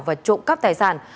và trộm cắp tài sản